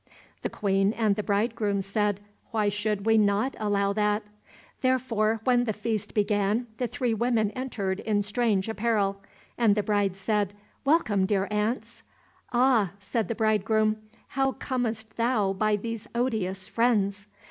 The Queen and the bridegroom said, "Why should we not allow that?" Therefore when the feast began, the three women entered in strange apparel, and the bride said, "Welcome, dear aunts." "Ah," said the bridegroom, "how comest thou by these odious friends?"